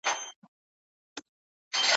کله نا کله به راتلل ورته د ښار مېلمانه